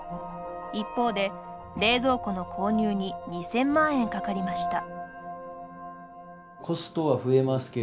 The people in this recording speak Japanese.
一方で、冷蔵庫の購入に２０００万円かかりました。